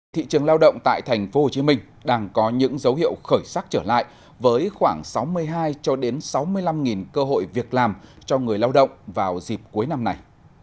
thị trường lao động tại tp hcm đang có những dấu hiệu khởi sắc trở lại với khoảng sáu mươi hai sáu mươi năm cơ hội việc làm cho người lao động vào dịp cuối năm này